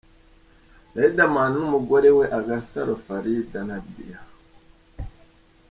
Riderman n'umugore we; Agasaro Farid Nadia.